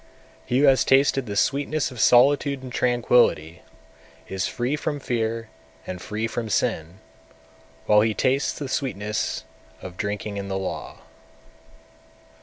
205. He who has tasted the sweetness of solitude and tranquillity, is free from fear and free from sin, while he tastes the sweetness of drinking in the law.